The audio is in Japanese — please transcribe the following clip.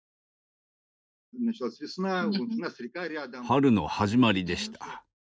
春の始まりでした。